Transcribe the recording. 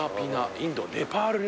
インドネパール料理。